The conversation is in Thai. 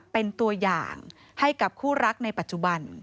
เป็นตัวอย่างให้กับคู่รักในปัจจุบัน